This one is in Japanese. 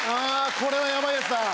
これはヤバいやつだ。